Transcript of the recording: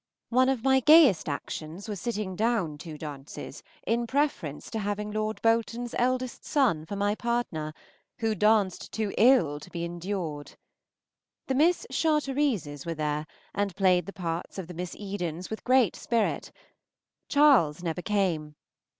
One of my gayest actions was sitting down two dances in preference to having Lord Bolton's eldest son for my partner, who danced too ill to be endured. The Miss Charterises were there, and played the parts of the Miss Edens with great spirit. Charles never came.